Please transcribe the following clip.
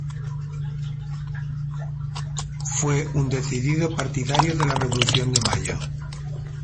Fue un decidido partidario de la Revolución de Mayo.